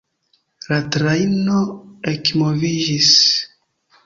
La trajno ekmoviĝis.